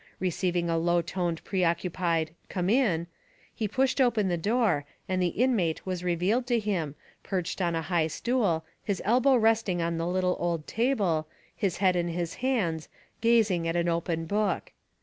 Receiv ing a low toned preoccupied "come in," he pushed open the door, and the inmate was re vealed to him, perched on a high stool, his elbow resting on the little old table, his head in his hands, gazing at an open book.